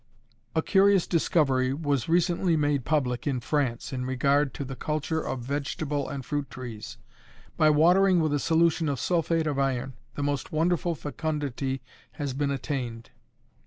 _ A curious discovery has recently been made public in France, in regard to the culture of vegetable and fruit trees. By watering with a solution of sulphate of iron, the most wonderful fecundity has been attained.